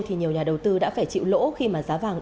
thì nhiều nhà đầu tư đã phải chịu lỗ khi mà giá vàng